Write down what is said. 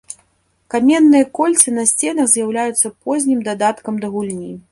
Каменныя кольцы на сценах з'яўляюцца познім дадаткам да гульні.